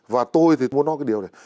và tôi thì muốn nói cái điều này